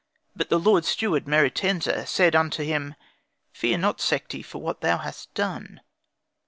But the Lord Steward Meruitensa then said unto him, "Fear not, Sekhti, for what thou has done.